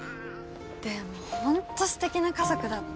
でもホントすてきな家族だった。